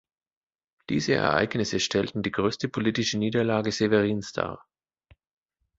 Diese Ereignisse stellten die größte politische Niederlage Severins dar.